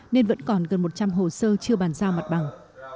nên vẫn còn gần một trăm linh hồ sơ chưa bàn giao mặt bằng